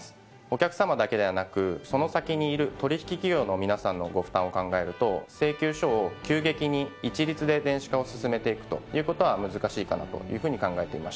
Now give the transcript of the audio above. お客さまだけではなくその先にいる取引企業の皆さんのご負担を考えると請求書を急激に一律で電子化を進めていくということは難しいかなというふうに考えていました。